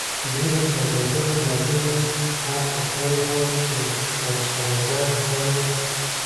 ډېرو سوداګرو د دې هڅه کړې وه چې ورسره ګډ کار وکړي